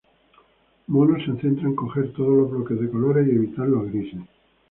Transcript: Mono se centra en coger todos los bloques de colores y evitar los grises.